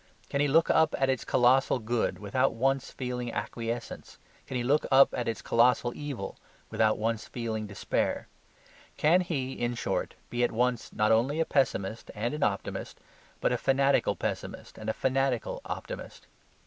Can he look up at its colossal good without once feeling acquiescence? Can he look up at its colossal evil without once feeling despair? Can he, in short, be at once not only a pessimist and an optimist, but a fanatical pessimist and a fanatical optimist?